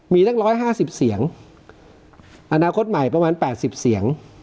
มีตั้งร้อยห้าสิบเสียงอนาคตใหม่ประมาณแปดสิบเสียง